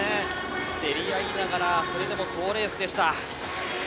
競り合いながらそれでも好レースでした。